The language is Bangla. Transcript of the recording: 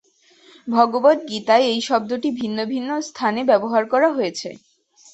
ভগবদ্গীতায় এই শব্দটি ভিন্ন ভিন্ন স্থানে ব্যবহার করা হয়েছে।